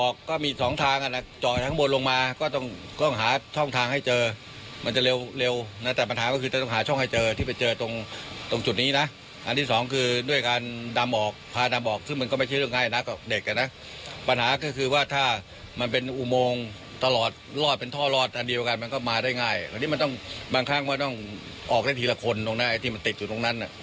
บางครั้งก็ต้องออกได้ทีละคนตรงนั้นที่มันติดอยู่ตรงนั้นน่ะ